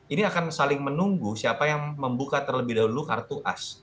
ini akan saling menunggu siapa yang membuka terlebih dahulu kartu as